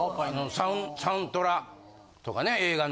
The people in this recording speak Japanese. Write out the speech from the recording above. サントラとかね映画の。